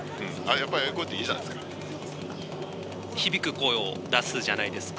やっぱりああいう声っていいじゃないですか。